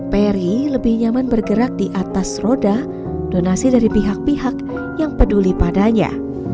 peri lebih nyaman bergerak di atas roda donasi dari pihak pihak yang peduli padanya